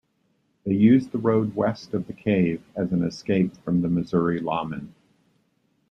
They used the road west of the cave as an escape from Missouri lawmen.